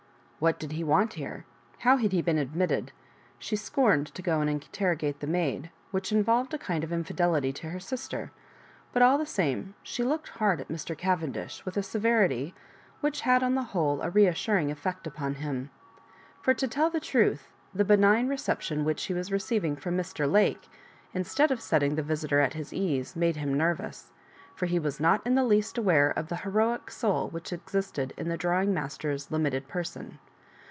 What did be want here ? How had he been admitted ? She scorned to go and in terrogate the maid, which involved a kind of infidelity to her sister, but all the same she looked hard at Mr. Cavendish with a Beverity which had on the whole a reasuring effect upon him. For, to tell the truth, the benign reception which he was receiving from Mr. Lake, instead of setting the visitor at his ease, made him nervous; for he was not in the least aware of the heroic soul which existed in the drawing master's limited person.